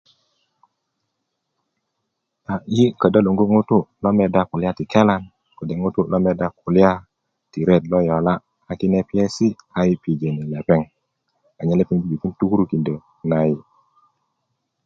yi ködö luŋgu ŋutu' lo medda kulya ti kelan kode ŋutu' lo medda kulya t ret lo yola anyen kine piyesi' yi' bubulö tukurukindö na yi